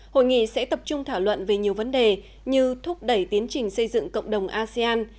hội nghị sẽ tập trung thảo luận về nhiều vấn đề như thúc đẩy tiến trình xây dựng cộng đồng asean